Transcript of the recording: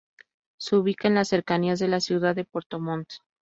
Se ubica en las cercanías de la ciudad de Puerto Montt.